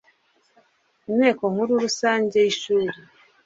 inteko nkuru rusange yi shuri